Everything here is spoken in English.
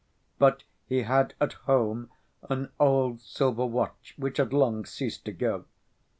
But he had at home an old silver watch which had long ceased to go.